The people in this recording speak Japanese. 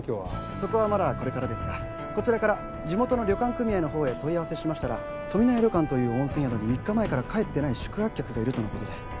そこはまだこれからですがこちらから地元の旅館組合のほうへ問い合わせしましたら富乃屋旅館という温泉宿に３日前から帰ってない宿泊客がいるとのことで。